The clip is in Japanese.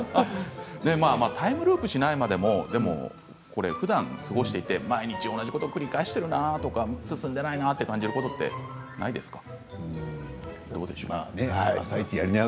タイムループしないまでもふだん過ごしていて毎日同じことを繰り返しているなとか進んでいないなという感じ思っていないですか。